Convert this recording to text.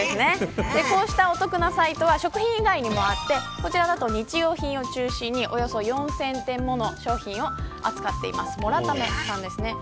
こうしたお得なサイトは食品以外にもあって日用品を中心におよそ４０００点もの商品を扱っているモラタメさんです。